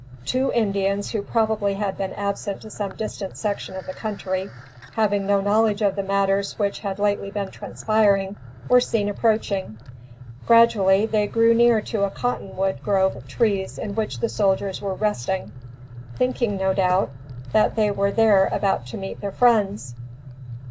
Two Indians who probably had been absent to some distant section of the country, having no knowledge of the matters which had lately been transpiring, were seen approaching. Gradually, they drew near to a cotton wood grove of trees in which the soldiers were resting, thinking no doubt, that they were there about to meet their friends.